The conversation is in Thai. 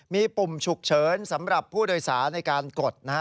มีปุ่มฉุกเฉินสำหรับผู้โดยสารในการกดนะฮะ